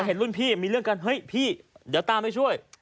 เห็นรุ่นพี่มีเรื่องกันเฮ้ยพี่เดี๋ยวตามไปช่วย